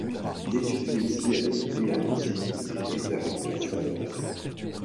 Il étudie aussi avec Ilia Moussine et Esa-Pekka Salonen.